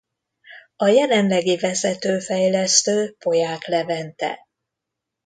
A jelenlegi vezető fejlesztő Polyák Levente.